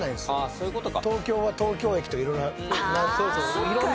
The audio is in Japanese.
そういうことか。